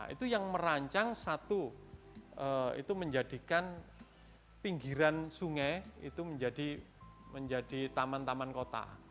itu yang merancang satu itu menjadikan pinggiran sungai itu menjadi taman taman kota